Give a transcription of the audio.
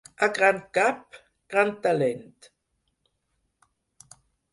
A gran cap, gran talent.